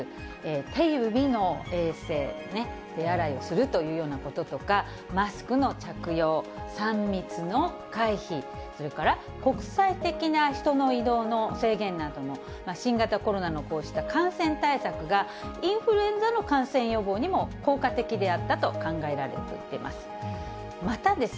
手指の衛生、手洗いをするというようなこととか、マスクの着用、３密の回避、それから国際的な人の移動の制限なんかも、新型コロナのこうした感染対策が、インフルエンザの感染予防にも効果的であったと考えられています。